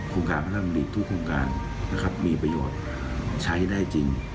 โครงการพัฒนธรรมดีทุกโครงการมีประโยชน์ใช้ได้จริง